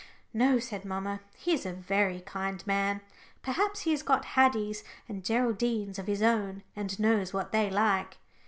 "No," said mamma, "he is a very kind man. Perhaps he has got Haddies and Geraldines of his own, and knows what they like."